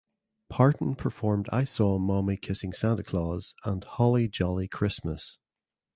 Parton performed "I Saw Mommy Kissing Santa Claus" and "Holly Jolly Christmas".